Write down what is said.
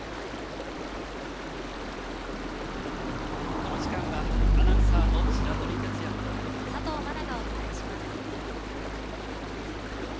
この時間はアナウンサーの白鳥哲也と佐藤茉那がお伝えします。